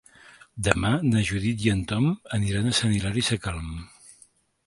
Demà na Judit i en Tom aniran a Sant Hilari Sacalm.